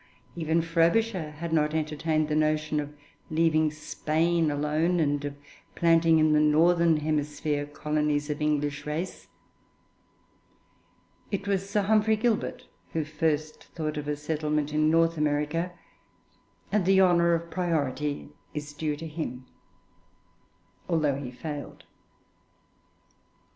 Even Frobisher had not entertained the notion of leaving Spain alone, and of planting in the northern hemisphere colonies of English race. It was Sir Humphrey Gilbert who first thought of a settlement in North America, and the honour of priority is due to him, although he failed.